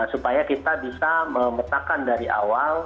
supaya kita bisa memetakan dari awal